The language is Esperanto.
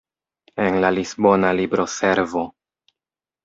En la Lisbona libroservo.